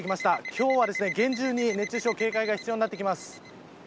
今日は厳重に熱中症に警戒が必要になってきます。